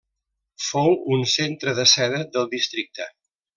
Fou un centre de seda del districte.